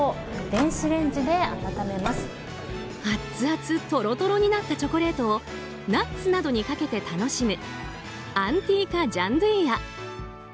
アツアツとろとろになったチョコレートをナッツなどにかけて楽しむアンティーカ・ジャンドゥイア。